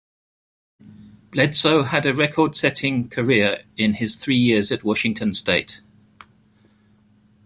Bledsoe had a record-setting career in his three years at Washington State.